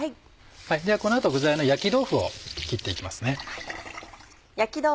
ではこの後具材の焼き豆腐を切っていきますね。